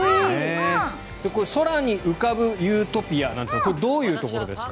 これ空に浮かぶユートピアなんですがこれ、どういうところですか？